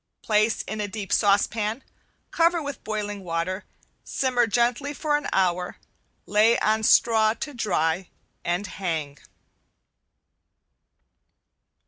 Place in a deep saucepan, cover with boiling water, simmer gently for an hour, lay on straw to dry and hang.